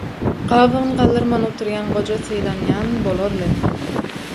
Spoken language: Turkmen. gabagyny galdyrman oturýan goja sylanýan bolarly.